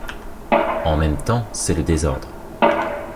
En même temps, c’est le désordre.